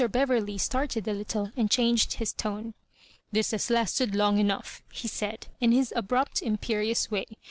Beverley started a little, and changed his tona "This has lasted long enough," he said, in his abrupt imperious way.